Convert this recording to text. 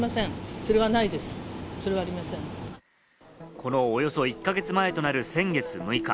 このおよそ１か月前となる先月６日。